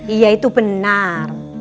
iya itu benar